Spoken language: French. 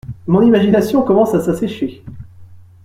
Mon imagination commence à s’assécher.